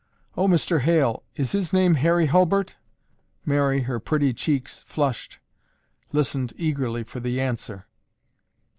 "Oh, Mr. Hale, is his name Harry Hulbert?" Mary, her pretty cheeks flushed, listened eagerly for the answer.